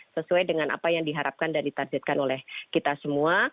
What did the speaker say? sesuai dengan apa yang diharapkan dan ditargetkan oleh kita semua